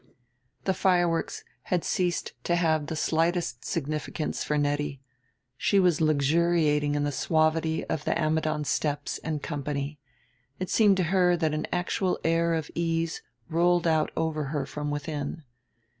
The fireworks had ceased to have the slightest significance for Nettie; she was luxuriating in the suavity of the Ammidon steps and company. It seemed to her that an actual air of ease rolled out over her from within.